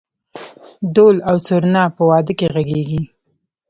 دهل او سرنا په واده کې غږیږي؟